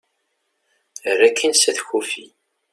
err akin s at kufi